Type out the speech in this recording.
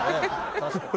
確かに。